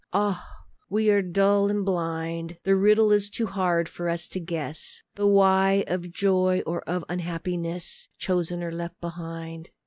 Ah! we are dull and blind. The riddle is too hard for us to guess The why of joy or of unhappiness, Chosen or left behind.